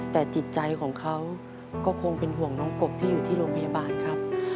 แต่จิตใจของเขาก็คงเป็นห่วงน้องกบที่อยู่ที่โรงพยาบาลครับ